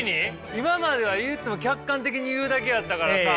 今までは言うても客観的に言うだけやったからさ。